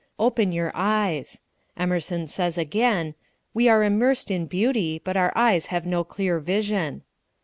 Open your eyes. Emerson says again: "We are immersed in beauty, but our eyes have no clear vision."